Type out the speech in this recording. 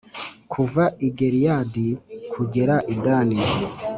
kuva i Gileyadi kugera i Dani,